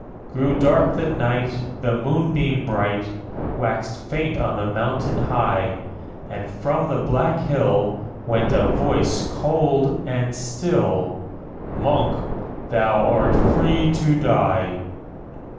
9. Grew dark the night; The moonbeam bright Waxed faint on the mountain high; And, from the black hill, _50 Went a voice cold and still, 'Monk! thou art free to die.'